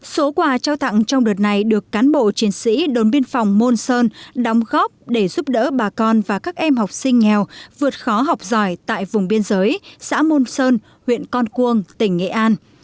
số quà trao tặng trong đợt này được cán bộ chiến sĩ đồn biên phòng môn sơn đóng góp để giúp đỡ bà con và các em học sinh nghèo vượt khó học giỏi tại vùng biên giới xã môn sơn huyện con cuông tỉnh nghệ an